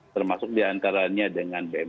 termasuk diantaranya dengan bnpb